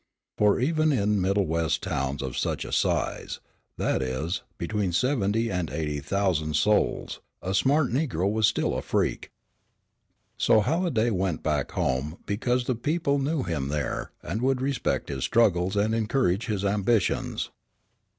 For even in middle west towns of such a size, that is, between seventy and eighty thousand souls, a "smart negro" was still a freak. So Halliday went back home because the people knew him there and would respect his struggles and encourage his ambitions.